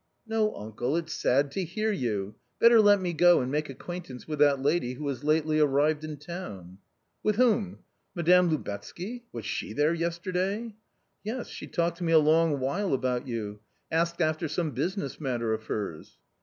" No, uncle, it's sad to hear you ; better let me go and make acquaintance with that lady who has lately arrived in town ". V\ c a "With whom? Madame Lubetsky ? Was she there yesterday ?"*—*" Yes, she talked to me a long while about you, asked after some business matter of hers."